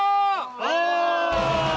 お！